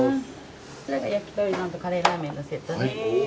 こちらがやきとり丼とカレーラーメンのセットです。